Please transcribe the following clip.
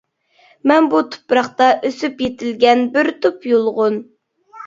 مەن بۇ تۇپراقتا ئۆسۈپ يېتىلگەن بىر تۈپ يۇلغۇن.